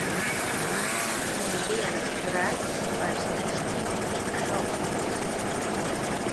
Un dienas grēks vairs nešķiet tik šausmīgs.